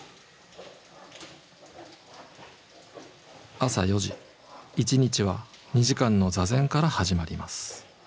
朝４時一日は２時間の坐禅から始まります。